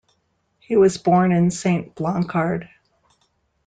He was born in Saint-Blancard.